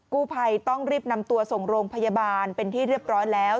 กู้ภัยต้องรีบนำตัวส่งโรงพยาบาลเป็นที่เรียบร้อยแล้ว